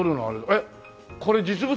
えっこれ実物？